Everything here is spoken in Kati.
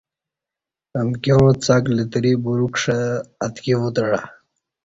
امکیاں څک لتری برُوکݜہ اتکی وُتعہ